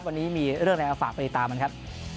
วันนี้มีเรื่องอะไรมาฝากไปติดตามกันครับ